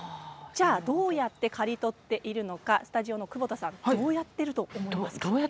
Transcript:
どうやって借り取っているのかスタジオの久保田さんどうやってると思いますか？